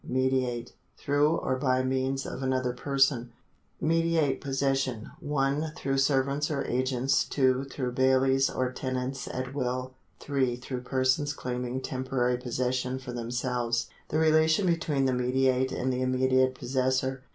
^ \Mediatc — through or by means of another person. {1. Through servants or agents. 2. Through bailees or tenants at will. 3. Through persons claiming temporary possession for themselves. The relation between the mediate and the immediate possessor.